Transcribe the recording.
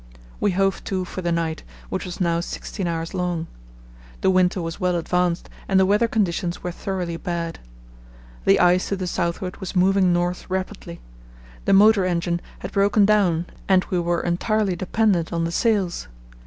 We hove to for the night, which was now sixteen hours long. The winter was well advanced and the weather conditions were thoroughly bad. The ice to the southward was moving north rapidly. The motor engine had broken down and we were entirely dependent on the sails.